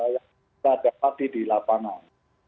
yang kita dapati di lapangan